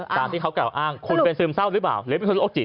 ตามที่เขากล่าวอ้างคุณเป็นซึมเศร้าหรือเปล่าหรือเป็นคนโรคจิต